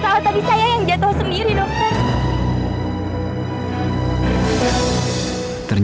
kamu jangan bohong sama aku sen